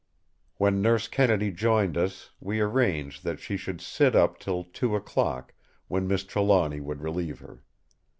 When Nurse Kennedy joined us, we arranged that she should sit up till two o'clock, when Miss Trelawny would relieve her.